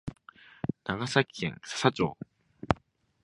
長崎県佐々町